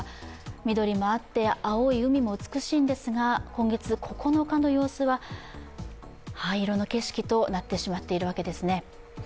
緑もあって、青い海も美しいんですが、今月９日の様子は灰色の景色となってしまっているわけですね。